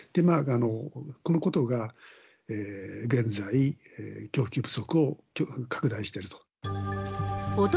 このことが現在、供給不足を拡大していると。